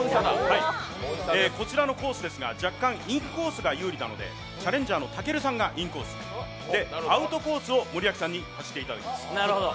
こちらのコースですが、若干インコースが有利なので、チャレンジャーのたけるさんがインコース、アウトコースを森脇さんに走っていただきます。